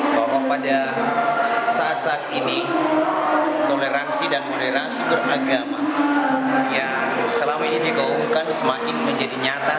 bahwa pada saat saat ini toleransi dan toleransi beragama yang selama ini digaungkan semakin menjadi nyata